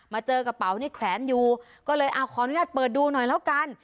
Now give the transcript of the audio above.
เจอกระเป๋านี่แขวนอยู่ก็เลยเอาขออนุญาตเปิดดูหน่อยแล้วกัน